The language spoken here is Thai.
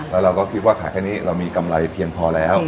แล้วเราก็คิดว่าขายแค่นี้เรามีกำไรเพียงพอแล้ว